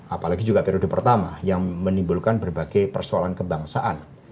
apalagi juga periode pertama yang menimbulkan berbagai persoalan kebangsaan